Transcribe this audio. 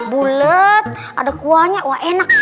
bulet ada kuahnya wah enak